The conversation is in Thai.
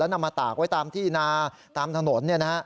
นำมาตากไว้ตามที่นาตามถนน